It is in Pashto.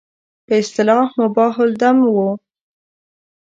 په اصطلاح مباح الدم وو.